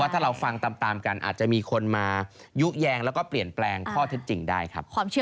ถ้าเราฟังตามกันอาจจะมีคนมายุแยงแล้วก็เปลี่ยนแปลงข้อเท็จจริงได้ครับ